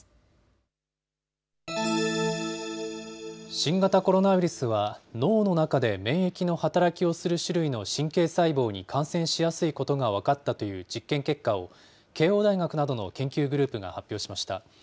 新型コロナウイルスは、脳の中で免疫の働きをする種類の神経細胞に感染しやすいということが分かったという実験結果を、慶応大学などの研究グループが発表しました。